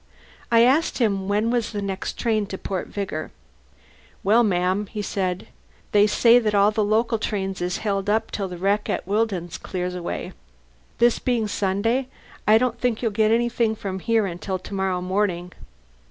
I asked him when was the next train to Port Vigor. "Well, ma'am," he said, "they say that all the local trains is held up till the wreck at Willdon's cleared away. This being Sunday, I don't think you'll get anything from here until to morrow morning."